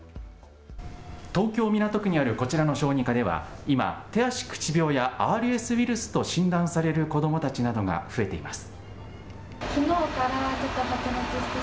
東京港区にあるこちらの小児科では今、手足口病やＲＳウイルスと診断される子どもたちなどが増えています。